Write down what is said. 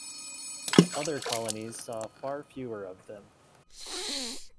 Other colonies saw far fewer of them.